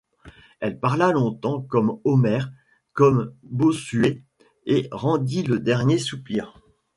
Elle parla longtemps comme Homère, comme Bossuet, et rendit le dernier soupir.